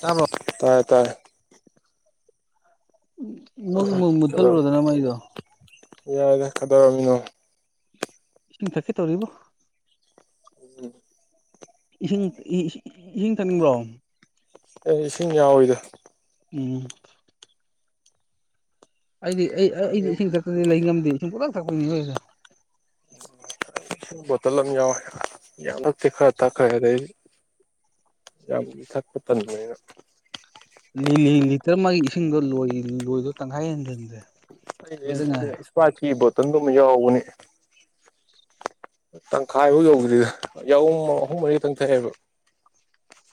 ꯇꯥꯕ꯭ꯔꯣ ꯇꯥꯏꯌꯦ ꯇꯥꯏ ꯃꯨꯠꯀꯦ ꯃꯨꯠ ꯀꯩꯗꯧ ꯃꯨꯠꯊꯠꯜꯂꯨꯔꯣꯗꯅ ꯃꯩꯗꯣ ꯌꯥꯏꯗ ꯀꯩꯗꯧꯔꯝꯃꯤꯅꯣ ꯏꯁꯤꯡ ꯊꯛꯀꯦ ꯇꯧꯔꯤꯕꯣ [unintelligible] ꯏꯁꯤꯡ [unintelligible] ꯏꯁꯤꯡ ꯊꯛꯅꯤꯡꯕ꯭ꯔꯣ ꯑꯩ ꯏꯁꯤꯡ ꯌꯥꯎꯋꯤꯗ ꯎꯝ ꯑꯩꯗꯤ ꯑꯩ ꯑ ꯑꯩꯗꯤ ꯏꯁꯤꯡ ꯊꯛꯇꯗꯤ ꯂꯩ ꯉꯝꯗꯦ ꯏꯁꯤꯡ ꯄꯨꯡꯊꯛ ꯊꯛꯄ [unintelligible] [unintelligible] ꯕꯣꯇꯜ ꯑꯝ ꯌꯥꯎꯋꯦ ꯌꯥꯝ ꯅꯛꯇꯤ ꯈꯔ ꯊꯛꯈ꯭ꯔꯦ ꯑꯗꯩ ꯌꯥꯝ ꯊꯛꯄ ꯇꯟꯕꯅꯤꯅ ꯂꯤꯂꯤ ꯂꯤꯇꯔ ꯃꯥꯒꯤ ꯏꯁꯤꯡꯗꯣ ꯂꯣꯏ ꯂꯣꯢꯗꯣ ꯇꯪꯈꯥꯏ ꯍꯦꯟꯖꯟꯗꯦ ꯑꯩ [unintelligible] ꯁ꯭ꯄꯔꯥꯢꯠꯀꯤ ꯕꯣꯇꯜꯗꯨꯃ ꯌꯥꯎꯕꯅꯦ ꯇꯪꯈꯥꯏꯕꯧ ꯌꯧꯗ꯭ꯔꯤꯗ ꯌꯥꯋꯨꯝ ꯑꯍꯨꯝ ꯃꯔꯤ ꯇꯪ ꯊꯛꯑꯦꯕ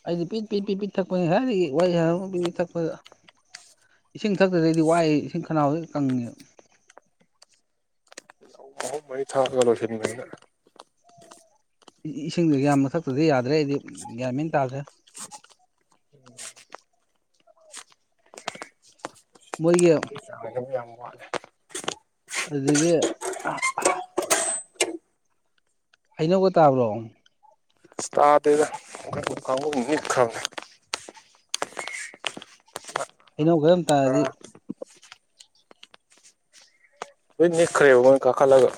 ꯑꯩꯗꯤ ꯄꯤꯠ ꯄꯤꯠ ꯄꯤꯠ ꯄꯤꯠ ꯊꯛꯄꯅꯦ ꯉꯁꯥꯢꯗꯒꯤ ꯋꯥꯔꯤ ꯁꯥꯟꯅꯕꯝ ꯄꯤꯠ ꯄꯤꯠ ꯊꯛꯄꯗ ꯏꯁꯤꯡ ꯊꯛꯇꯗꯤ ꯑꯩꯗꯤ ꯋꯥꯏꯌꯦ ꯏꯁꯤꯡ ꯈꯅꯥꯎꯖꯦ ꯀꯪꯉꯦꯕ ꯌꯥꯍꯨꯝ ꯑꯍꯨꯝ ꯃꯔꯤ ꯊꯥꯛꯑꯒ ꯂꯣꯢꯁꯟꯕꯅꯤꯅ ꯏ ꯢ ꯢꯁꯤꯡꯖꯦ ꯌꯥꯝꯅ ꯊꯛꯇꯗꯤ ꯌꯥꯗ꯭ꯔꯦ ꯑꯩꯗꯤ ꯒ꯭ꯌꯥꯟ ꯃꯦꯟ ꯇꯥꯗ꯭ꯔꯦ ꯃꯣꯏꯒꯤ [unintelligible] ꯌꯥꯝ ꯋꯥꯠꯂꯦ ꯑꯗꯨꯗꯒꯤ [unintelligible] ꯍꯩꯅꯧꯒ ꯇꯥꯕ꯭ꯔꯣ ꯑꯁ ꯇꯥꯗꯦꯗ [unintelligible] ꯍꯩꯅꯧ ꯈꯔ ꯌꯥꯝ ꯇꯥꯔꯗꯤ ꯂꯣꯢ ꯅꯤꯛꯈ꯭ꯔꯦꯕ ꯃꯣꯏ ꯀꯥꯈꯠꯂꯒ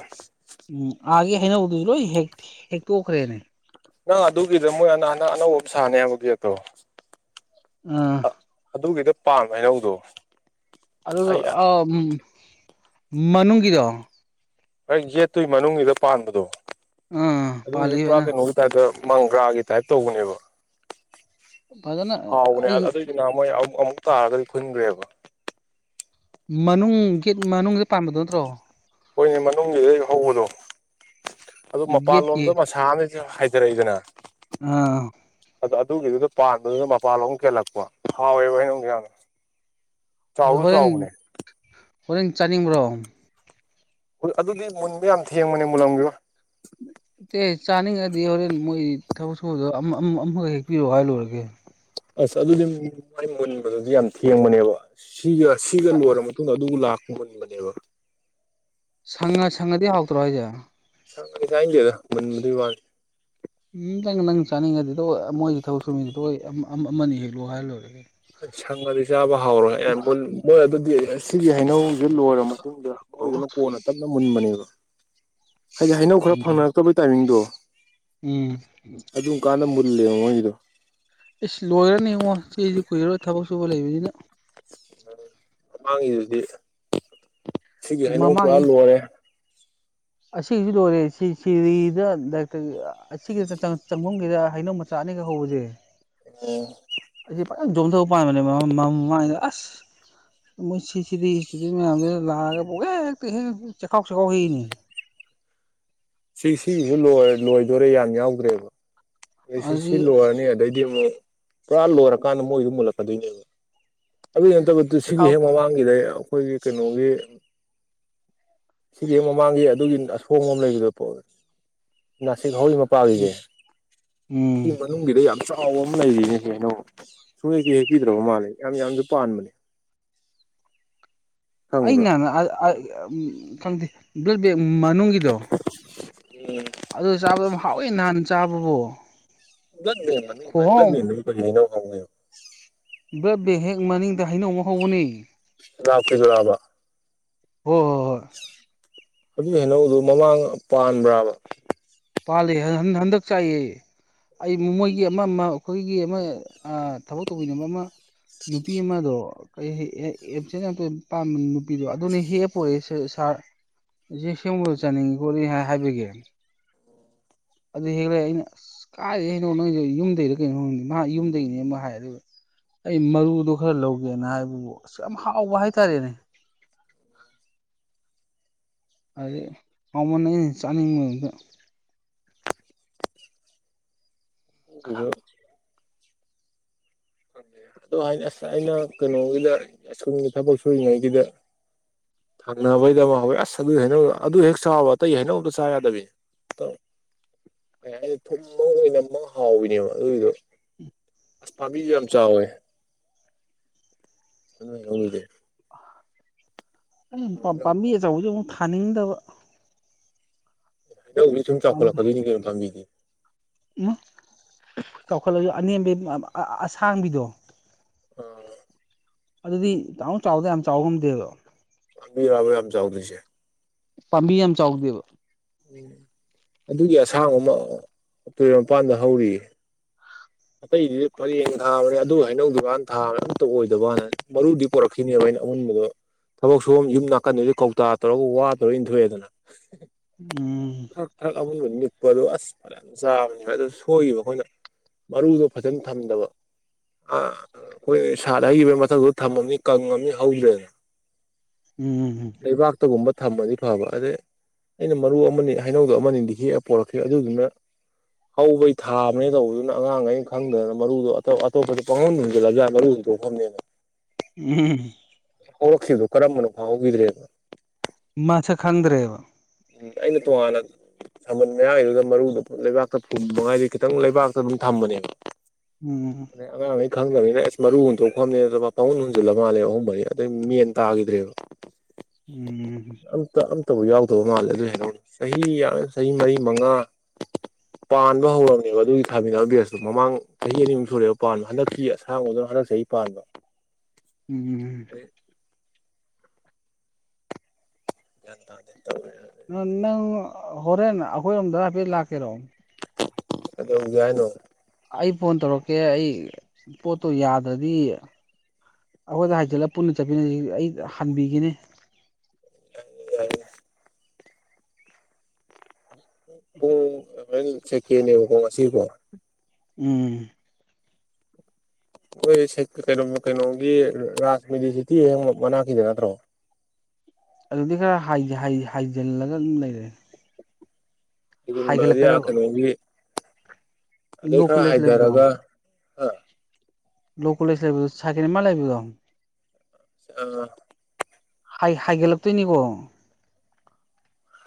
ꯎꯝ ꯑꯥꯒꯤ ꯍꯩꯅꯧꯗꯨꯖꯨ ꯂꯣꯏ ꯍꯦꯛ ꯍꯩꯅꯧꯗꯨꯖꯨꯇꯣꯛꯈ꯭ꯔꯦꯅꯦ ꯅꯪ ꯑꯗꯨꯒꯤꯗꯣ ꯃꯣꯏ ꯑꯅꯥꯅ ꯑꯅꯧꯕ ꯑꯝ ꯁꯥꯅꯤ ꯍꯥꯏꯕ ꯒꯦꯠꯇꯣ ꯑꯥ ꯑꯗꯨꯒꯤꯗ ꯄꯥꯟꯕ ꯍꯩꯅꯧꯗꯣ ꯑꯗꯨ ꯑꯩ ꯑꯥꯎ ꯃꯅꯨꯡꯒꯤꯗꯣ ꯍꯣꯢ ꯒꯦꯠꯇꯨꯢ ꯃꯅꯨꯡꯒꯤꯗ ꯄꯥꯟꯕꯗꯣ ꯑꯥ ꯑꯗꯨꯒꯤꯗꯨ ꯄꯨꯔꯥ ꯄꯥꯜꯂꯤꯅ ꯀꯩꯅꯣꯒꯤ ꯇꯥꯏꯞꯇ ꯃꯪꯒ꯭ꯔꯥꯒꯤ ꯇꯥꯏꯞ ꯇꯧꯕꯅꯦꯕ ꯐꯖꯅ ꯍꯥꯎꯕꯅꯦ ꯑ ꯑꯩ ꯑꯗꯨꯏꯗꯨꯅ ꯃꯣꯏ ꯑꯃꯨꯛ ꯑꯃꯨꯛ ꯇꯥꯔꯒꯗꯤ ꯈꯨꯟꯒ꯭ꯔꯦꯕ ꯃꯅꯨꯡ ꯒꯦꯠ ꯃꯅꯨꯡꯒꯤꯗ ꯄꯥꯟꯕꯗꯣ ꯅꯠꯇ꯭ꯔꯣ ꯍꯣꯏꯅꯦ ꯃꯅꯨꯡꯒꯤꯗꯩ ꯍꯧꯕꯗꯣ ꯑꯗꯨ ꯒꯦꯠꯀꯤ ꯃꯄꯥꯟꯂꯣꯝꯗ ꯃꯁꯥ [unintelligible] ꯍꯥꯏꯗꯔꯛꯏꯗꯅ ꯑꯥ ꯑꯗꯣ ꯑꯗꯨꯒꯤꯗꯨꯗ ꯄꯥꯟꯕꯗꯨꯗ ꯃꯄꯥꯟꯂꯣꯝ ꯀꯦꯜꯂꯛꯄ ꯍꯥꯎꯋꯦꯕ [unintelligible] [unintelligible] ꯑꯗꯨ ꯍꯣꯔꯦꯟ ꯆꯥꯎꯕꯅꯦ ꯍꯣꯔꯦꯟ ꯆꯥꯅꯤꯡꯕ꯭ꯔꯣ ꯑꯗꯨꯗꯤ ꯃꯨꯟꯕ ꯌꯥꯝ ꯊꯦꯡꯕꯅꯦ ꯃꯨꯜꯂꯝꯒꯤꯔꯣ ꯏꯦ ꯆꯥꯅꯤꯡꯉꯗꯤ ꯍꯣꯔꯦꯟ ꯃꯣꯏ ꯊꯕꯛ ꯁꯨꯕꯗꯣ ꯑꯃ ꯑꯝ ꯑꯃꯒꯥ ꯍꯦꯛꯄꯤꯔꯛꯑꯣ ꯍꯥꯏꯔꯨꯔꯒꯦ ꯑꯁ ꯑꯗꯨꯗꯤ ꯃꯥꯏ ꯃꯨꯟꯕꯗꯨꯗꯤ ꯌꯥꯝ ꯊꯦꯡꯕꯅꯦꯕ ꯁꯤꯒ ꯁꯤꯒ ꯂꯣꯏꯔꯕ ꯃꯇꯨꯡꯗ ꯑꯗꯨꯕꯨ ꯂꯥꯛ ꯃꯨꯟꯕꯅꯦꯕ ꯁꯪꯉ ꯁꯪꯉꯗꯤ ꯍꯥꯎꯇ꯭ꯔꯣ ꯍꯥꯢꯁꯦ ꯁꯪꯉꯥꯗꯤ ꯆꯥꯏꯟꯗꯦꯗꯥ ꯃꯨꯟꯕꯗꯨꯏ ꯋꯥꯅꯨ ꯎꯝ ꯅꯪ ꯅꯪ ꯆꯥꯅꯤꯡꯉꯗꯤꯗꯣ ꯃꯣꯏꯒꯤ ꯊꯕꯛ ꯁꯨꯃꯤꯗꯨ ꯊꯣꯏ ꯑꯝ ꯑꯝ ꯑꯃꯅꯤ ꯍꯦꯛꯂꯣ ꯍꯤꯏꯔ ꯂꯣꯏꯔꯥꯒꯦ ꯁꯪꯉꯗꯤ ꯆꯥꯕ ꯍꯧꯎꯔꯣꯏ ꯑꯦ ꯃꯨꯟ ꯃꯣꯏ ꯑꯗꯨꯗꯤ ꯑꯁꯤꯒꯤ ꯍꯩꯅꯧ ꯁꯤ ꯂꯣꯏꯔ ꯃꯇꯨꯡꯗ ꯑꯣ ꯃꯣꯏꯗꯨꯅ ꯀꯣꯟꯅ ꯇꯞꯅ ꯃꯨꯟꯕꯅꯦꯕ ꯍꯥꯏꯗꯤ ꯍꯩꯅꯧ ꯈꯔ ꯎꯝ ꯐꯪꯅꯔꯛꯇꯕꯩ ꯇꯥꯏꯃꯤꯡꯗꯣ ꯎꯝ ꯀꯥꯟꯅ ꯃꯨꯜꯂꯦ ꯃꯨꯒꯤꯗꯣ ꯏꯁ ꯂꯣꯏꯔꯅꯤ ꯉꯣ ꯆꯦꯁꯤ ꯀꯨꯏꯔꯣꯏ ꯊꯕꯛ ꯁꯨꯕ ꯂꯩꯕꯅꯤꯅ ꯃꯃꯥꯡꯉꯤꯗꯨꯗꯤ ꯁꯤꯒꯤ ꯍꯩꯅꯧ ꯄꯨꯔ ꯂꯣꯏꯔꯦ ꯑꯁꯤꯁꯨ ꯂꯣꯏꯔꯦ ꯁꯤ ꯁꯤꯔꯤꯗ ꯗꯥꯏꯛꯇ [unintelligible] ꯆꯪꯕꯝꯒꯤꯗ ꯍꯩꯅꯧ ꯃꯠ ꯆꯥꯅꯤꯒ ꯍꯧꯕꯁꯦ ꯑ ꯑꯁꯤ ꯐꯖꯟ ꯖꯣꯝ ꯖꯣ ꯄꯟꯕꯅꯦꯕ [unintelligible] ꯃꯥꯏꯗꯥ ꯑꯁ ꯃꯣꯏ ꯁꯤꯁꯤꯗꯤ ꯏꯁꯇꯨꯗꯦꯟ ꯃꯌꯥꯝꯁꯤꯗ ꯂꯥꯛꯑꯒ ꯄꯨꯛ ꯍꯦꯛꯇ ꯍꯦꯛ ꯆꯦꯛꯈꯥꯎ ꯆꯈꯥꯎ ꯍꯏꯅꯤ ꯁꯤ ꯁꯤꯁꯨ ꯂꯣꯏ ꯂꯣꯏꯗꯣꯔꯦ ꯌꯥꯝ ꯌꯥꯎꯗ꯭ꯔꯦꯕ ꯑꯩ ꯁꯤ ꯁꯤ ꯑꯗꯨꯗꯤ ꯂꯣꯏꯔꯅꯤ ꯑꯗꯩꯗꯤ ꯑꯃꯨꯛ ꯄꯨꯔꯥ ꯂꯣꯏꯔꯀꯥꯟꯗ ꯃꯣꯏꯁꯨ ꯃꯨꯜꯂꯛꯀꯗꯣꯏꯅꯦꯕ ꯑꯗꯨꯒꯤ ꯅꯠꯇ ꯗꯨ ꯁꯤꯒꯤ ꯆꯦꯈꯥꯎ ꯍꯦꯛ ꯃꯃꯥꯡ ꯒꯤꯗ ꯑꯩꯈꯣꯏꯒꯤ ꯀꯩꯅꯣꯒꯤ ꯁꯤꯒꯤ ꯍꯦꯛ ꯃꯃꯥꯡꯒꯤ ꯑꯗꯨꯒꯤ ꯑꯁꯣꯡꯕ ꯑꯃ ꯂꯩꯕꯗꯣ ꯄꯣꯛꯑꯦ ꯅꯥꯁꯤꯛ ꯍꯧꯏ ꯃꯞ ꯎꯝ ꯄꯒꯤꯖꯦ ꯎꯝ ꯅꯨꯡꯒꯤꯗ ꯌꯥꯝ ꯆꯥꯎꯕ ꯑꯃ ꯂꯩꯔꯤꯅꯦ ꯀꯩꯅꯣ ꯁꯨꯡꯍꯦꯛꯇꯤ ꯍꯦꯛꯄꯤꯗ꯭ꯔꯕ ꯃꯥꯜꯂꯦ ꯌꯥꯝꯅꯁꯨ ꯄꯥꯟꯕꯅꯦ ꯈꯪꯕ꯭ꯔꯥ ꯑꯩꯅ [unintelligible] ꯈꯪꯗꯦ ꯕ꯭ꯂꯠ ꯕꯦꯛ ꯃꯅꯨꯡꯒꯤꯗꯣ ꯎꯝ ꯑꯗꯨ ꯆꯥꯕꯗꯝ ꯍꯥꯎꯏ ꯅꯍꯥꯟ ꯆꯥꯕꯕꯣ ꯕꯂꯠ ꯕꯦꯡ ꯃꯃꯤꯡꯗꯨ ꯍꯥꯏ ꯕꯂꯇꯗꯒꯤ ꯀꯔꯤꯍꯥꯏꯅꯥ ꯉꯝꯒꯦ ꯕꯂꯠ ꯕꯦꯡ ꯍꯦꯛ ꯃꯥꯅꯤꯡꯗ ꯍꯩꯅꯧ ꯑꯃ ꯍꯥꯎꯕꯅꯤ ꯂꯥꯛꯈꯤꯗꯣꯔꯕ ꯍꯣ ꯍꯣ ꯍꯣꯏ ꯑꯗꯨ ꯍꯩꯅꯧꯗꯨ ꯃꯃꯥꯡ ꯄꯥꯟꯕ꯭ꯔꯥꯕ ꯄꯥꯜꯂꯤ ꯍꯟ ꯍꯟ ꯍꯟꯗꯛ ꯆꯥꯏꯌꯦ ꯑꯩ ꯃꯃꯣꯏꯒꯤ ꯑꯃ ꯑꯃ ꯑꯩꯈꯣꯏꯒꯤ ꯑꯃ ꯑꯥ ꯊꯕꯛ ꯇꯧꯕꯤꯅꯕ ꯑꯃ ꯅꯨꯄꯤ ꯑꯃꯗꯣ [unintelligible] ꯑꯦꯞꯁꯦꯟ ꯌꯥꯝꯇꯣꯏ ꯄꯥꯟꯕ ꯅꯨꯄꯤꯗꯣ ꯑꯗꯨꯅꯣ ꯍꯦꯛ ꯄꯣꯔꯛꯏꯁꯦ ꯁꯔ ꯏꯦ ꯁꯦꯝꯕꯗ ꯆꯥꯅꯤꯡꯗꯣꯔꯤ ꯈꯣꯠꯔꯤ ꯍꯥꯏ ꯍꯥꯏꯕꯒꯤ ꯑꯗꯨ ꯍꯦꯛꯂ ꯑꯩꯅ ꯑꯁ ꯀꯥꯏꯗꯩꯅꯣ ꯅꯣꯏꯖꯦ ꯌꯨꯝꯗꯩꯔ ꯀꯩꯅꯣ ꯈꯪꯗꯦ ꯃꯥ ꯌꯨꯝꯗꯩꯅꯦ ꯑꯃꯨꯛ ꯍꯥꯏ ꯑꯗꯨꯒ ꯑꯩ ꯃꯔꯨꯗꯣ ꯈꯔ ꯂꯧꯒꯦꯅ ꯍꯥꯏꯕꯕꯨ ꯑꯁ ꯌꯥꯝ ꯍꯥꯎꯕ ꯍꯥꯏꯇꯥꯔꯦꯅꯦ ꯑꯗꯩ ꯍꯥꯎꯃꯟꯗꯅ ꯑꯩꯅ ꯆꯥꯅꯤꯡꯕꯟꯗ [unintelligible] ꯈꯍ ꯑꯗꯨꯗꯨ [unintelligible] ꯈꯪꯗꯦ [unintelligible] ꯑꯗꯣ ꯑꯁ ꯑꯩꯅ ꯀꯩꯅꯣꯒꯤꯗ ꯁ꯭ꯀꯨꯜꯒꯤ ꯊꯕꯛ ꯁꯨꯔꯤꯉꯩꯒꯤꯗ ꯍꯪꯅꯕꯩꯗꯃ ꯍꯧꯋꯦ ꯑꯁ ꯑꯗꯨ ꯍꯩꯅꯧꯗꯣ ꯑꯗꯨ ꯍꯦꯛ ꯆꯥꯕ ꯑꯇꯩ ꯍꯩꯅꯧ ꯑꯝꯇ ꯆꯥ ꯌꯥꯗꯕꯤ ꯇ ꯀꯩꯍꯥꯏ ꯊꯨꯝꯃ ꯑꯣꯏꯅꯝꯃ ꯍꯥꯎꯕꯤꯅꯦꯕ ꯑꯗꯨꯏꯗꯣ ꯑꯁ ꯄꯥꯝꯕꯤꯖꯨ ꯌꯥꯝ ꯆꯥꯎꯋꯦ ꯑꯗꯨꯅꯅꯧꯅꯤꯒꯦ [unintelligible] ꯎꯝ ꯄꯥꯝ ꯄꯥꯝꯕꯤ ꯑꯆꯧꯕꯁꯨ ꯑꯃꯨꯛ ꯊꯥꯅꯤꯡꯗꯕ ꯍꯩꯅꯧꯗꯤ ꯁꯨꯝ ꯆꯥꯎꯈꯠꯂꯛꯀꯗꯣꯏꯅꯤ ꯀꯩꯅꯣ ꯄꯥꯝꯕꯤꯗꯤ ꯎꯝ ꯆꯥꯎꯈꯠꯂꯁꯨ ꯑꯅꯦꯝꯕꯤ ꯑ ꯑ ꯑꯁꯥꯡꯕꯤꯗꯣ ꯑ ꯑꯗꯨꯗꯤ ꯗꯥꯎꯟ ꯆꯥꯎꯗ ꯌꯥꯝ ꯆꯥꯎ ꯉꯝꯗꯦꯕ ꯑꯗꯨꯏꯔꯕ ꯌꯥꯝ ꯆꯧꯗ꯭ꯔꯤꯁꯦ ꯄꯥꯝꯕꯤ ꯌꯥꯝ ꯆꯥꯎꯗꯦꯕ ꯎꯝ ꯑꯗꯨꯒꯤ ꯑꯁꯥꯡ ꯑꯃ ꯇꯨꯔꯦꯜ ꯃꯄꯥꯟꯗ ꯍꯧꯔꯤꯌꯦ ꯑꯇꯩꯗꯤ ꯄꯔꯦꯡ ꯊꯥꯕꯅꯦ ꯑꯗꯨ ꯍꯩꯅꯧ ꯗꯨꯀꯥꯟ ꯊꯥꯕꯅꯦ ꯑꯃꯇ ꯑꯣꯏꯗꯕꯅ ꯃꯔꯨꯗꯤ ꯄꯣꯔꯛꯈꯤꯅꯦꯕ ꯑꯩꯅ ꯑꯃꯨꯟꯕꯗꯣ ꯊꯕꯛ ꯁꯨꯝꯕꯝ ꯌꯨꯝ ꯅꯥꯀꯟꯗꯨꯗ ꯀꯧꯇꯥ ꯇꯧꯔꯒ ꯋꯥ ꯇꯧꯔꯒ ꯏꯟꯊꯣꯛꯑꯦꯗꯅ ꯎꯝ ꯊ꯭ꯔꯛ ꯊ꯭ꯔꯛ ꯑꯃꯨꯟꯕ ꯅꯤꯛꯄꯗꯣ ꯑꯁ ꯐꯅꯌꯥꯝ ꯆꯥꯕꯅꯤ ꯑꯗꯨ ꯁꯣꯏꯒꯤꯕ ꯑꯩꯈꯣꯏꯅ ꯃꯔꯨꯗꯣ ꯐꯖꯟ ꯊꯝꯗꯕ ꯑ ꯑꯩꯈꯣꯏ ꯁꯥꯠ ꯍꯩꯒꯤꯕꯩ ꯃꯊꯛꯗꯨꯗ ꯊꯝꯃꯅꯤ ꯀꯪꯉꯝꯅꯤ ꯍꯧꯗ꯭ꯔꯦꯅ ꯎꯝ ꯂꯩꯕꯥꯛꯇꯒꯨꯝꯕ ꯊꯝꯃꯗꯤ ꯐꯕ ꯑꯗꯩ ꯑꯩꯅ ꯃꯔꯨ ꯑꯃꯅꯤ ꯍꯩꯅꯧꯗꯣ ꯑꯃꯅꯤꯗꯤ ꯍꯦꯛꯑ ꯄꯣꯔꯛꯈꯤ ꯑꯗꯨꯗꯨꯅ ꯍꯧꯕꯩ ꯊꯥꯕꯅꯦ ꯇꯧꯕꯗꯨꯅ ꯑꯉꯥꯡꯉꯩ ꯈꯪꯗꯗꯅ ꯃꯔꯨꯗꯣ ꯑꯇꯣꯞ ꯑꯇꯣꯞꯄꯗ ꯄꯪꯍꯨꯟ ꯍꯨꯟꯖꯤꯜꯂꯕꯖꯥ ꯃꯔꯨ ꯗꯣꯍꯝꯅꯤꯅ ꯎꯝ ꯍꯧꯔꯛꯈꯤꯕꯗꯣ ꯀꯔꯝꯕꯅꯣ ꯐꯥꯍꯧꯒꯤꯗ꯭ꯔꯦꯕ ꯃꯥꯁꯛ ꯈꯪꯗ꯭ꯔꯦꯕ ꯎꯝ ꯑꯩꯅ ꯇꯨꯉꯥꯟꯅ ꯁꯝꯃꯟ ꯃꯌꯥꯏꯒꯤꯗꯨꯒ ꯃꯔꯨꯗ ꯂꯩꯕꯥꯛꯇ ꯐꯨꯟ ꯃꯉꯥꯏꯗ ꯈꯤꯇꯪ ꯂꯩꯕꯥꯛꯇ ꯑꯗꯨꯝ ꯊꯝꯕꯅꯦꯕ ꯎꯝ ꯑꯉꯥꯡꯈꯩ ꯈꯪꯗꯕꯅꯤꯅ ꯑꯁ ꯃꯔꯨ ꯍꯨꯟꯇꯣꯛꯐꯝꯅꯦꯗꯕ ꯄꯪꯍꯨꯟ ꯍꯨꯟꯖꯤꯜꯂ ꯃꯥꯜꯂꯦ ꯑꯍꯨꯝ ꯃꯔꯤ ꯑꯗꯩ ꯃꯦꯟ ꯇꯥꯒꯝꯗ꯭ꯔꯦꯕ ꯎꯝ ꯑꯝꯇ ꯑꯇꯕꯨ ꯌꯥꯎꯗꯕ ꯃꯥꯜꯂꯦ ꯑꯗꯨꯏ ꯍꯩꯅꯧꯗꯣ ꯆꯍꯤ ꯌꯥꯝ ꯆꯍꯤ ꯃꯔꯤ ꯃꯉꯥ ꯄꯥꯟꯕ ꯍꯧꯔꯝꯅꯦꯕ ꯑꯗꯨꯒꯤ ꯊꯥꯃꯤꯟꯅꯕ ꯕꯦꯁꯇꯨ ꯃꯃꯥꯡ ꯆꯍꯤ ꯑꯅꯤꯃꯛ ꯁꯨꯔꯦꯕ ꯄꯥꯟꯕ ꯍꯟꯗꯛꯤ ꯑꯁꯥꯡꯕꯗꯣ ꯍꯟꯗꯛ ꯆꯩ ꯄꯥꯟꯕ ꯎꯝ ꯑꯗꯩ ꯌꯥꯟ ꯇꯥꯗꯦ ꯇꯧꯋꯦꯑ [unintelligible] ꯅꯪ ꯍꯣꯔꯦꯟ ꯑꯩꯈꯣꯏꯔꯣꯝꯗ ꯍꯥꯏꯐꯦꯠ ꯂꯥꯛꯀꯦꯔꯣ ꯀꯩꯗꯧꯖꯦ ꯍꯥꯏꯅꯣ ꯑꯩ ꯐꯣꯟ ꯇꯧꯔꯛꯀꯦ ꯑꯩ ꯄꯣꯠꯇꯣ ꯌꯥꯗꯗꯤ ꯑꯩꯈꯣꯏꯗ ꯍꯥꯏꯖꯤꯜꯂꯒ ꯄꯨꯟꯅ ꯆꯠꯃꯤꯟꯅꯗꯝ ꯑꯩ ꯍꯟꯕꯤꯒꯤꯅꯤ ꯌꯥꯏꯌꯦ ꯌꯥꯏꯌꯦ ꯄꯨꯡ ꯍꯣꯔꯦꯟ ꯆꯦꯛꯀꯦꯅꯦꯕꯀꯣ ꯉꯁꯤꯕꯣ ꯎꯝ ꯑꯩꯈꯣꯏ ꯁꯩ ꯀꯩꯅꯣ ꯀꯩꯅꯣꯒꯤ ꯔꯥꯖ ꯃꯤꯗꯤꯁꯤꯇꯤ ꯍꯦꯛ ꯃꯅꯥꯛꯀꯤꯗꯣ ꯅꯠꯇ꯭ꯔꯣ ꯑꯗꯨꯗꯤ ꯈꯔ ꯍꯥꯏ ꯍꯥꯏ ꯍꯥꯏꯖꯤꯜꯂꯒ ꯑꯗꯨꯝ ꯂꯩꯔꯦ [unintelligible] ꯑꯥ ꯍꯥꯏꯒꯠꯂꯛꯀꯗꯕ ꯀꯩꯅꯣꯒꯤ ꯑꯗꯩ ꯂꯣ ꯈꯔ ꯀꯣꯂꯦꯖ ꯂꯩꯕꯦꯜꯗꯣ ꯍꯥꯏꯊꯔꯒ ꯂꯣ ꯀꯂꯦꯖ ꯂꯩꯕꯗꯣ ꯁꯦꯀꯦꯟ ꯑꯦꯝ ꯃꯥꯔ ꯂꯩꯕꯗꯣ ꯑꯥ ꯍꯥꯏ ꯍꯥꯏꯒꯠꯂꯛꯇꯣꯏꯅꯤꯀꯣ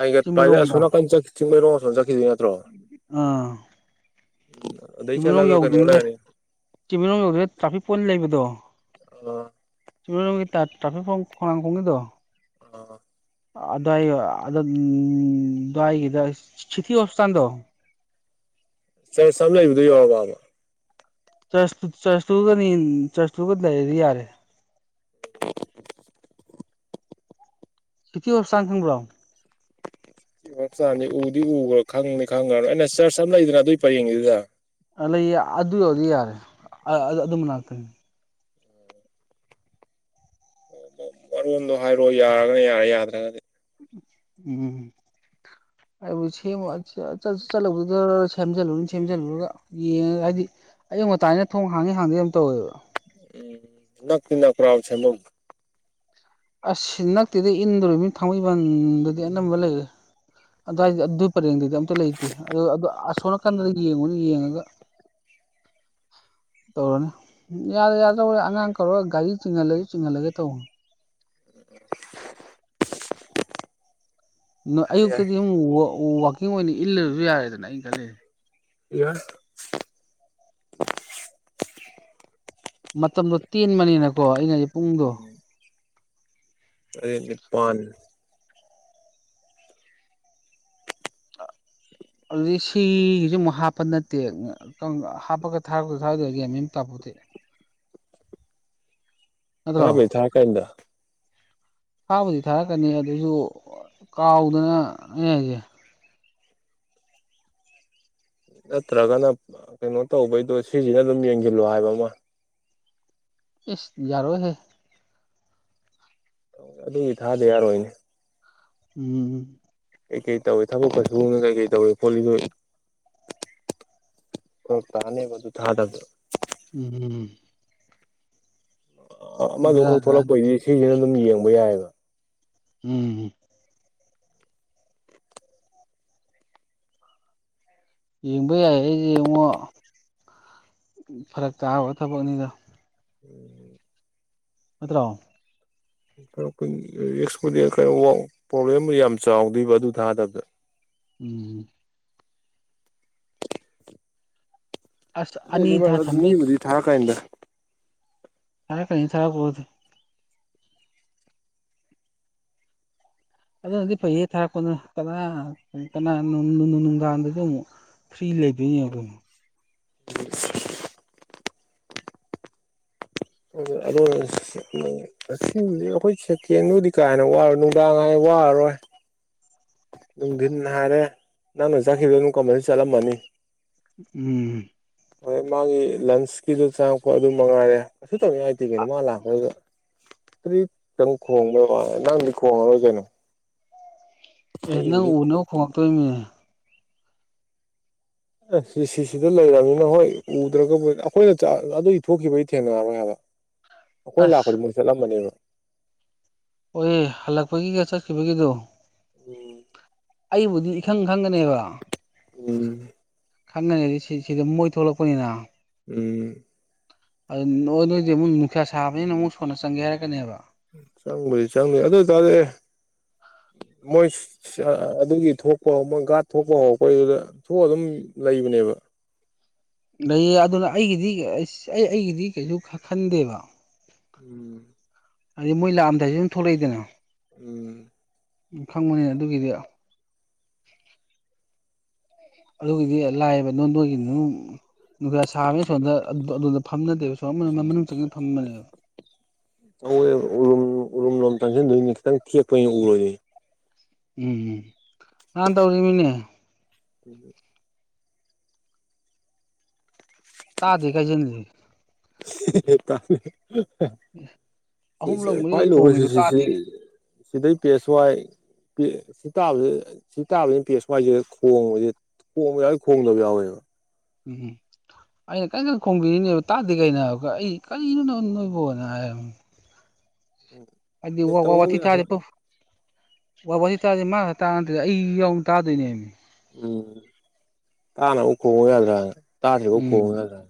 ꯍꯥꯏꯒꯠꯄ ꯍꯥꯏꯗꯤ ꯆꯤꯡꯃꯤꯔꯣꯡꯗ ꯑꯁꯣꯝ ꯅꯥꯀꯟ ꯆꯠ ꯆꯤꯡꯃꯩꯔꯣꯝ ꯑꯁꯣꯝ ꯆꯠꯈꯤꯗꯣꯏ ꯅꯠ ꯑꯥ ꯎꯝ ꯑꯗꯩ ꯆꯠꯂꯒ ꯀꯩꯅꯣ ꯂꯩꯔꯅꯤ ꯆꯤꯡꯃꯩꯔꯣꯡ ꯌꯧꯗ꯭ꯔꯤꯉꯩ ꯇ꯭ꯔꯥꯐꯤꯛ ꯄꯣꯏꯟ ꯂꯩꯕꯗꯣ ꯑꯥ ꯆꯤꯡꯃꯩꯔꯣꯡꯒꯤ ꯇ꯭ꯔꯥ ꯇ꯭ꯔꯥꯐꯤꯛ ꯄꯣꯏꯟ ꯈꯣꯡꯅꯥꯡ ꯃꯈꯣꯡꯒꯤꯗꯣ ꯑꯥ ꯑꯗ꯭ꯋꯥꯏ ꯑꯗ ꯎꯝ ꯑꯗ꯭ꯋꯥꯏꯒꯤꯗ ꯁꯤꯇꯤ ꯍꯣꯁꯄꯤꯇꯥꯟꯗꯣ ꯆꯔꯁ ꯑꯝ ꯂꯩꯕꯗꯣ ꯌꯧꯔꯕꯥꯕ ꯆꯔꯁ ꯆꯔꯁꯇꯨꯒꯅꯤ ꯆꯔꯁꯇꯨꯒ ꯂꯩꯔꯗꯤ ꯌꯥꯔꯦ ꯁꯤꯇꯤ ꯍꯣꯁꯄꯤꯇꯥꯜ ꯈꯪꯕ꯭ꯔꯣ ꯁꯤꯇꯤ ꯍꯣꯁꯄꯤꯇꯥꯟꯖꯦ ꯎꯗꯤ ꯎꯒ꯭ꯔꯦ ꯈꯪꯗꯤ ꯈꯪꯒ꯭ꯔꯕꯅꯦ ꯑꯩꯅ ꯆꯔꯆ ꯑꯃ ꯂꯩꯗꯅ ꯑꯗꯨꯏ ꯄꯔꯦꯡꯒꯤꯗꯨꯗ ꯑꯥ ꯂꯩꯌꯦ ꯑꯗꯨ ꯌꯧꯔꯗꯤ ꯌꯥꯔꯦ ꯑꯥ ꯑꯗꯨ ꯃꯅꯥꯛꯇꯅꯤ ꯃꯔꯣꯟꯗꯣ ꯍꯥꯏꯔꯛꯑꯣ ꯌꯥꯔꯒꯅ ꯌꯥꯔꯦ ꯌꯥꯗ꯭ꯔꯒꯗꯤ ꯎꯝ ꯍꯥꯏꯕꯨꯗꯤ ꯁꯦꯝꯃ [unintelligible] ꯆꯠꯂꯨꯕꯨꯗꯤ ꯗꯔ ꯁꯦꯝꯖꯜꯂꯨꯅꯤ ꯁꯦꯝꯖꯤꯜꯂꯨꯔꯒ ꯌꯦꯡꯉꯒ ꯍꯥꯏꯗꯤ ꯑꯌꯨꯛ ꯉꯟꯇꯥꯅꯤꯅ ꯊꯣꯡ ꯍꯥꯡꯉꯤ ꯍꯥꯡꯗꯦ ꯌꯥꯝ ꯇꯧꯋꯦꯕ ꯎꯝ ꯅꯛꯇꯤ ꯅꯛꯄ꯭ꯔꯥꯕ ꯁꯦꯝꯕꯝ ꯑꯁ ꯅꯛꯇꯦꯗ ꯏꯟꯗꯣꯔꯤꯃꯤ ꯊꯥꯡꯃꯩꯕꯟꯗꯗꯤ ꯑꯅꯝꯕ ꯂꯩꯔꯦ ꯑꯗ꯭ꯋꯥꯏꯗꯤ ꯎꯝ ꯑꯗꯨꯏ ꯄꯔꯦꯡꯗꯨꯗꯤ ꯑꯝꯇ ꯂꯩꯇꯦ ꯑꯗꯨ ꯑꯗꯨ ꯑꯁꯣꯟ ꯀꯟꯗ ꯌꯦꯡꯉꯨꯅꯤ ꯌꯦꯡꯉꯒ ꯇꯧꯔꯅꯤ ꯎꯝ ꯌꯥꯗ ꯌꯥꯗ꯭ꯔ ꯍꯣꯔꯦꯟ ꯑꯉꯥꯡ ꯀꯧꯔꯒ ꯒꯥꯔꯤ ꯆꯤꯡꯍꯜꯂꯖꯨ ꯆꯤꯡꯍꯜꯂꯒꯦ ꯇꯧ ꯅꯣ ꯌꯥꯏ ꯌꯥꯏ ꯑꯌꯨꯛꯇꯗꯤ ꯑꯃꯨꯛ ꯋꯥꯛ ꯋꯥꯛꯀꯤꯡ ꯑꯣꯏꯅ ꯏꯜꯂꯕꯁꯨ ꯌꯥꯔꯦꯗꯅ ꯑꯩꯅ ꯈꯜꯂꯤꯁꯦ ꯌꯥꯏ ꯃꯇꯝꯗꯣ ꯇꯦꯟꯕꯅꯤꯅꯀꯣ ꯑꯩꯅ ꯍꯥꯏꯖꯦ ꯄꯨꯡꯗꯣ ꯇꯔꯦꯠ ꯅꯤꯄꯥꯜ ꯑꯗꯨꯗꯩ ꯁꯤꯒꯤꯁꯤ ꯑꯃꯨꯛ ꯍꯥꯞꯄ ꯅꯠꯇꯦ [unintelligible] ꯍꯥꯞꯄꯒ ꯊꯥꯔꯛꯇꯣꯏꯔ ꯊꯥꯔꯛꯑꯣꯏꯗꯣꯏꯔꯥ ꯒ꯭ꯌꯥꯟ ꯃꯦꯟ ꯇꯥꯄꯣꯇꯦ ꯅꯠꯇ꯭ꯔꯣ ꯊꯥꯕꯩꯗꯤ ꯊꯥꯔꯛꯀꯅꯤꯗ ꯊꯥꯕꯨꯗꯤ ꯊꯥꯔꯛꯀꯅꯤ ꯑꯗꯨꯁꯨ ꯀꯥꯎꯗꯅ ꯑꯩ ꯍꯥꯏꯁꯦ ꯅꯠꯇ꯭ꯔꯒꯅ ꯀꯩꯅꯣ ꯇꯧꯕꯩꯗꯣ ꯁꯤ ꯖꯤ ꯑꯦꯜ ꯑꯗꯨꯝ ꯌꯦꯡꯁꯤꯜꯂꯣ ꯍꯥꯏꯕ ꯑꯃ ꯏꯁ ꯌꯥꯔꯛꯑꯣꯏꯍꯦ ꯑꯗꯨꯒꯤ ꯊꯥꯗ ꯌꯥꯔꯣꯏꯅꯦ ꯎꯝ ꯀꯩ ꯀꯩ ꯇꯧꯏ ꯊꯕꯛꯀ ꯁꯨꯕꯝꯗ ꯀꯩꯀꯩ ꯇꯧꯏ ꯈꯣꯠꯂꯤꯗꯨ ꯐꯔꯛ ꯇꯥꯅꯦꯕ ꯑꯗꯨ ꯊꯥꯗꯕꯗ ꯏꯍꯦ ꯑ ꯑꯃꯗꯨ ꯕꯦꯔꯥ ꯈꯛ ꯀꯥꯅꯤ ꯊꯣꯛꯂꯛꯄꯩꯗꯤ ꯁꯤꯁꯤꯅ ꯑꯗꯨꯝ ꯌꯦꯡꯕ ꯌꯥꯏꯑꯦꯕ ꯎꯝ ꯌꯦꯡꯕ ꯌꯥꯏꯌꯦ ꯑꯩꯁꯦ ꯌꯦꯡꯉꯣ ꯐꯔꯛ ꯇꯥꯕ ꯊꯕꯛꯅꯤꯗ ꯎꯝ ꯅꯠꯇꯔꯣ [unintelligible] ꯔꯤꯁꯛ ꯄꯨꯗꯤ ꯈꯔꯥ ꯄ꯭ꯔꯣꯕ꯭ꯂꯦꯝ ꯌꯥꯝ ꯆꯥꯎꯗꯣꯏꯕ ꯑꯗꯨ ꯊꯥꯗꯕꯗ ꯎꯝ ꯑꯁ ꯑꯅꯤ ꯊꯥ [unintelligible] ꯊꯝꯕꯩ ꯃꯤꯕꯨꯗꯤ ꯊꯔꯛꯀꯅꯤꯗ ꯊꯔꯛꯀꯅꯤ ꯊꯔꯛꯄꯥꯕꯨꯗꯤ ꯑꯗꯨꯅꯗꯤ ꯐꯩꯌꯦ ꯊꯥꯔꯛꯄꯗꯨꯅ ꯀꯅꯥ ꯀꯅꯥ ꯅꯨꯡꯗꯥꯡꯗꯁꯨ ꯑꯃꯨꯛ ꯐ꯭ꯔꯤ ꯂꯩꯗꯣꯏꯅꯦ ꯑꯗꯨꯝ ꯑꯗꯨ ꯑꯣꯏꯔꯁ ꯑꯁꯤꯕꯨꯗꯤ ꯑꯩꯈꯣꯏ ꯁꯦꯀꯦꯟꯕꯨꯗꯤ ꯀꯥꯏꯅ ꯋꯥꯔꯣꯏ ꯅꯨꯡꯗꯥꯡ ꯑꯃꯨꯛ ꯋꯥꯔꯔꯣꯏ ꯅꯨꯡꯗꯤꯟ ꯍꯥꯏꯔꯦ ꯅꯪꯅ ꯆꯠꯈꯤꯕꯗꯨ ꯀꯃꯥꯏ ꯆꯠꯂꯝꯃꯅꯤ ꯎꯝ ꯍꯣꯏ ꯃꯥꯒꯤ ꯂꯟꯁꯀꯤꯗꯣ ꯆꯪꯉꯛꯄ ꯑꯗꯨ ꯃꯉꯥꯏꯔꯦ ꯀꯩꯁꯨ ꯇꯧꯅꯤꯡꯉꯥꯏ ꯂꯩꯇꯦ ꯀꯩꯅꯣ ꯃꯥ ꯂꯥꯛꯄꯗꯨ ꯑꯗꯨꯗꯤ ꯇꯪ ꯈꯣꯡꯕꯣꯏ ꯃꯥꯜꯂꯦ ꯅꯪꯗꯤ ꯈꯣꯡꯉꯔꯣꯏ ꯀꯩꯅꯣ ꯑꯦ ꯅꯪ ꯑꯩꯕꯨꯗꯤ ꯎꯅꯕ ꯈꯣꯡꯉꯛꯇꯣꯏꯅꯦ ꯑ ꯁꯤ ꯁꯤꯁꯤꯗ ꯂꯩꯔꯝꯅꯤꯅ ꯍꯣꯏ ꯎꯗ꯭ꯔꯒꯕꯨ ꯑꯩꯈꯣꯏꯅ ꯑꯗꯨꯒꯤ ꯊꯣꯛꯈꯤꯕꯩ ꯊꯦꯡꯅꯔꯕ ꯉꯥꯛꯇ ꯑꯩꯈꯣꯏ ꯂꯥꯛꯄꯗꯥ ꯑꯁ ꯃꯣꯏꯗꯤ ꯆꯠꯂꯝꯃꯥꯅꯦꯕ ꯑꯣꯏꯌꯦ ꯍꯜꯂꯛꯄꯒꯤꯒ ꯆꯠꯈꯤꯕꯒꯤꯗꯨ ꯎꯝ ꯑꯩꯕꯨꯗꯤ ꯏꯈꯪ ꯈꯪꯒꯅꯦꯕ ꯎꯝ ꯈꯪꯒꯅꯤ ꯔꯤꯁꯤ ꯁꯤꯗ ꯃꯣꯏ ꯊꯣꯛꯂꯛꯄꯅꯤꯅ ꯎꯝ ꯑꯗꯨ ꯅ ꯅꯣꯏꯗꯤ ꯑꯃꯨꯛ ꯅꯨꯡꯁꯥ ꯁꯥꯕꯅꯤꯅ ꯑꯃꯨꯛ ꯁꯣꯟꯅ ꯆꯪꯒꯦ ꯍꯥꯏꯔꯛꯀꯅꯦꯕ ꯆꯪꯕꯨꯗꯤ ꯆꯪꯅꯤ ꯑꯗ ꯇꯔꯁꯨ ꯑꯦ ꯃꯣꯏ ꯑꯗꯨꯒꯤ ꯊꯣꯛꯄ ꯍꯧ ꯒꯥꯔꯗ ꯊꯣꯛꯄ ꯍꯧꯔꯛꯄꯩꯗꯨꯗ ꯊꯣꯛꯑ ꯑꯗꯨꯝ ꯂꯩꯕꯅꯦꯕ ꯂꯩꯌꯦ ꯑꯗꯨꯅ ꯑꯩꯒꯤꯗꯤ ꯑꯁ ꯑꯩ ꯑꯩꯒꯤꯗꯤ ꯀꯩꯁꯨ ꯈꯟꯗꯦꯕ ꯎꯝ ꯑꯗꯩ ꯃꯣꯏ ꯂꯥꯛꯑꯝꯗꯥꯏꯁꯨ ꯑꯗꯨꯝ ꯊꯣꯛꯂꯛꯏꯗꯅ ꯎꯝ ꯎꯝ ꯈꯪꯕꯅꯤꯅ ꯑꯗꯨꯒꯤꯗꯤ ꯑꯗꯨꯒꯤꯗꯤ ꯂꯥꯏꯌꯦꯕ ꯅꯣꯏ ꯅꯣꯏꯒꯤꯗꯨ [unintelligible] ꯅꯨꯡꯁꯥ ꯁꯥꯕꯅꯤꯅ ꯁꯣꯝꯗ ꯑꯗꯨꯗ ꯐꯝꯅꯗꯦꯕ ꯁꯣꯝ ꯃꯅꯨꯡ ꯆꯪ ꯐꯝꯕꯅꯦ ꯎꯔꯨꯝ ꯎꯔꯨꯝ ꯂꯣꯝ ꯆꯪꯁꯤꯟꯗꯣꯏꯅꯦ ꯈꯤꯇꯪ ꯆꯦꯛꯄꯅꯤꯅꯥ ꯎꯔꯣꯏꯌꯦ ꯎꯝꯝ ꯅꯍꯥꯟ ꯇꯧꯔꯤꯃꯤꯅꯦ ꯎꯝ ꯇꯥꯗꯦ ꯀꯥꯏꯖꯤꯟꯂꯤ ꯑꯍꯨꯝꯂꯛ ꯃꯔꯤꯔꯛ ꯈꯣꯡꯉꯤꯗꯣ ꯇꯥꯗꯦ [unintelligible] ꯁꯤꯗꯩ ꯄꯦꯁ ꯋꯥꯏ ꯄꯤ ꯁꯤ ꯇꯥꯕꯁꯤ ꯁꯤ ꯇꯥꯕ ꯄꯦꯠ ꯁꯨꯋꯥꯥꯏꯁꯤꯗ ꯈꯣꯡꯕꯁꯤ ꯈꯣꯡꯕ ꯌꯥꯎꯏ ꯈꯣꯡꯗꯕ ꯌꯥꯎꯋꯦꯕ ꯎꯝ ꯍꯨꯝ ꯑꯩꯅ ꯀꯟꯅ ꯈꯣꯡꯕꯤꯔꯤꯅꯦꯕ ꯇꯥꯗꯦ ꯀꯩꯅꯣ ꯍꯥꯏꯕꯀꯣ ꯑꯩ ꯀꯔꯤꯅꯣꯅꯣ ꯅꯣꯏꯕꯣꯅ ꯍꯥꯏꯕ ꯎꯝ ꯑꯗꯤ ꯋꯥ ꯋꯥ ꯋꯥꯊꯤ ꯇꯥꯔꯗꯤ ꯄꯔ꯭ꯨꯐ ꯋꯥ ꯋꯥꯍꯤ ꯇꯥꯔꯗꯤ ꯃꯥꯈꯛ ꯇꯥꯕ ꯅꯠꯇꯦꯗ ꯑꯩ ꯌꯥꯎꯅ ꯇꯥꯗꯣꯏꯅꯦꯃꯤ ꯎꯝ ꯇꯥꯟꯅꯕ ꯈꯣꯡꯉꯨ ꯌꯥꯗ꯭ꯔꯥ ꯇꯥꯗ꯭ꯔꯤꯕꯧ ꯎꯝ ꯈꯣꯡꯉꯨ ꯌꯥꯗ꯭ꯔꯥ